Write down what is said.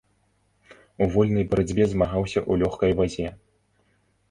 У вольнай барацьбе змагаўся ў лёгкай вазе.